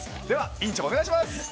では委員長お願いします。